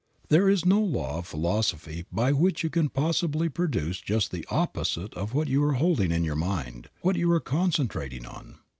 There is no law of philosophy by which you can possibly produce just the opposite of what you are holding in your mind, what you are concentrating on.